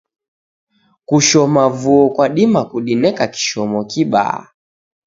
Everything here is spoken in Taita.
Kushoma vuo kwadima kudineka kishomo kibaa.